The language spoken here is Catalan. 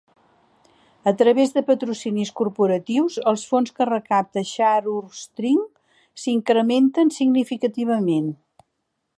A través de patrocinis corporatius, els fons que recapta Share Our Strength s'incrementen significativament.